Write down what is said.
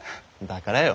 だからよ。